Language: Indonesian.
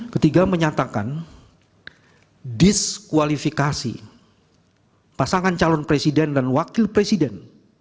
ketiga menyatakan diskualifikasi pasangan calon presiden dan wakil presiden